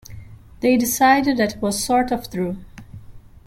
They decided that it was sort of true.